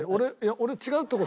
今違うって事？